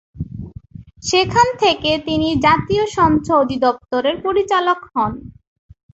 সেখান থেকে তিনি জাতীয় সঞ্চয় অধিদপ্তরের পরিচালক হন।